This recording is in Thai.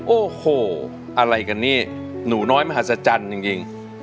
โอ้โหอะไรกันนี่หนูน้อยมหัศจรรย์จริง